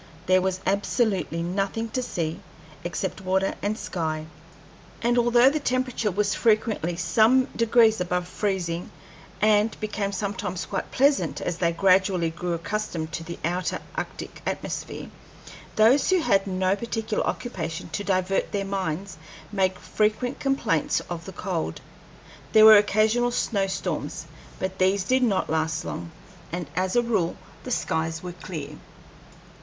There was absolutely nothing to see except water and sky; and although the temperature was frequently some degrees above freezing, and became sometimes quite pleasant as they gradually grew accustomed to the outer arctic atmosphere, those who had no particular occupation to divert their minds made frequent complaints of the cold. There were occasional snow storms, but these did not last long, and as a rule the skies were clear.